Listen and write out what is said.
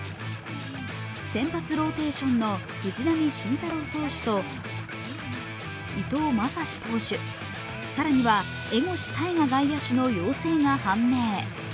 先発ローテーションの藤浪晋太郎投手と伊藤将司投手、更には、江越大賀外野手の陽性が判明。